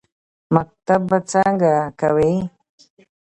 _مکتب به څنګه کوې؟